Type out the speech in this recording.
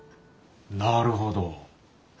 なるほど。